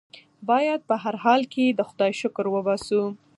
بايد په هر حال کې د خدای شکر وباسو.